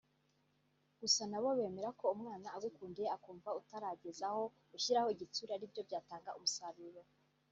Gusa nabo bemera ko umwana agukundiye akumva utarageza aho ushyiraho igitsure ari byo byatanga umusaruro